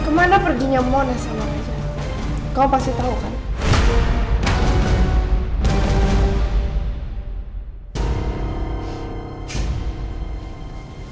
kemana perginya mona sama raja kamu pasti tau kan